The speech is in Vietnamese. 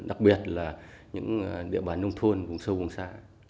đặc biệt là những địa bàn nông thôn vùng sâu vùng xa